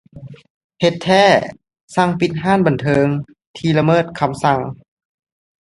ເຮັດແທ້! ສັ່ງປິດຮ້ານບັນເທີງທີ່ລະເມີດຄຳສັ່ງ